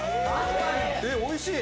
・おいしい！